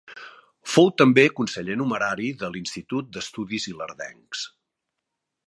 Fou també conseller numerari de l'Institut d'Estudis Ilerdencs.